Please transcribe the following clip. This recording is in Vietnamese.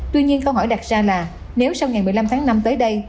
tuy nhiên câu hỏi đặt ra là nếu sau ngày một mươi năm tháng năm tới đây